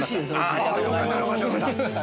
ありがとうございます。